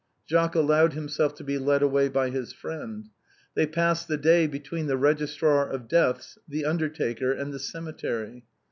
Jacques allowed himself to be led away by his friend. They passed the day between the registrar of deaths, the undertaker and the cemetery.